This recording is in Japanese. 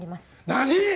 何？